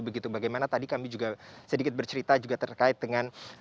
begitu bagaimana tadi kami juga sedikit bercerita juga terkait dengan